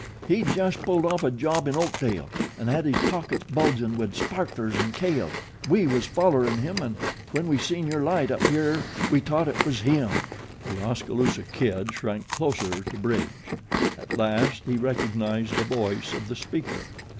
"He'd just pulled off a job in Oakdale an' had his pockets bulgin' wid sparklers an' kale. We was follerin' him an' when we seen your light up here we t'ought it was him." The Oskaloosa Kid shrank closer to Bridge. At last he recognized the voice of the speaker.